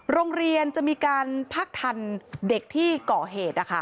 โรงเรียนจะมีการพักทันเด็กที่ก่อเหตุ